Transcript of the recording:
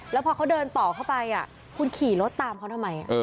แล้วพอเขาเดินต่อเข้าไปคุณขี่รถตามเขาทำไม